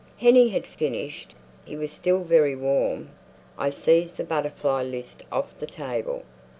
Hennie had finished. He was still very warm. I seized the butterfly list off the table.